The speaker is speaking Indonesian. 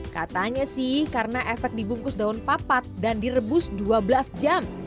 katanya sih karena efek dibungkus daun papat dan direbus dua belas jam